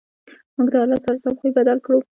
موږ د حالت سره سم خوی بدل کړو.